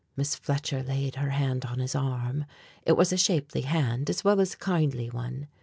Miss Fletcher laid her hand on his arm. It was a shapely hand as well as a kindly one.